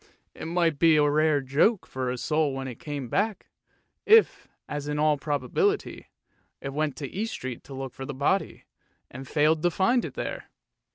It might be a rare joke for the soul when it came back, if, as in all probability, it went to East Street to look for the body, and failed to find it there.